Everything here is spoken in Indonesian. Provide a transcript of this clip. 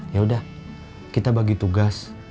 yaudah kita bagi tugas